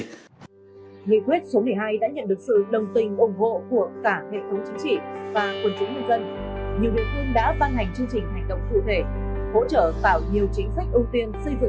nghị quyết số một mươi hai đã nhận được sự đồng tình ủng hộ của cả hệ thống chính trị và quân chủ nhân dân